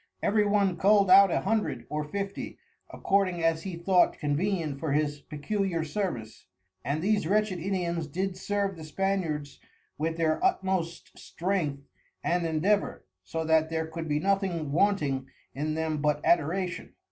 Every one cull'd out a Hundred, or Fifty, according as he thought convenient for his peculiar service, and these wretched Indians did serve the Spaniards with their utmost strength and endeavour; so that there could be nothing wanting in them but Adoration.